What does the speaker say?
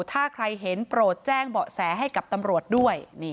ถ้าใครเห็นโปรดแจ้งเบาะแสให้กับตำรวจด้วย